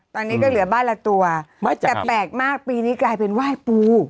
ตอนนี้ก็เหลือบ้านละตัวแต่แปลกมากปีนี้กลายเป็นไหว้ปู